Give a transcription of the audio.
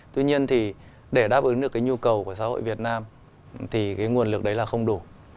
tuy nhiên thì để đáp ứng được cái nhu cầu của xã hội việt nam thì cái nguồn lực đấy là không đủ